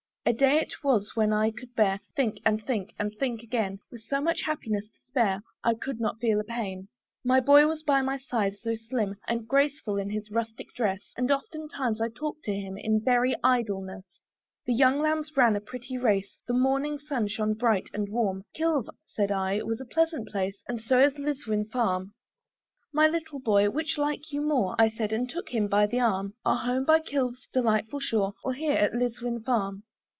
A day it was when I could bear To think, and think, and think again; With so much happiness to spare, I could not feel a pain. My boy was by my side, so slim And graceful in his rustic dress! And oftentimes I talked to him, In very idleness. The young lambs ran a pretty race; The morning sun shone bright and warm; "Kilve," said I, "was a pleasant place, "And so is Liswyn farm. "My little boy, which like you more," I said and took him by the arm "Our home by Kilve's delightful shore, "Or here at Liswyn farm?"